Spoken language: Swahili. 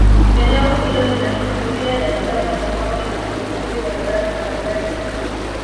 eneo hilo lina historia ya zana za mawe na uhunzi wa zana mbalimbali